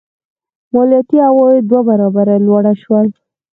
مالیاتي عواید دوه برابره لوړ شول.